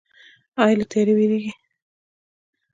ایا له تیاره ویریږئ؟